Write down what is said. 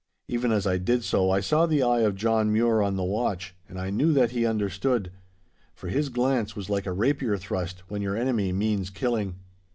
Even as I did so I saw the eye of John Mure on the watch, and I knew that he understood. For his glance was like a rapier thrust when your enemy means killing.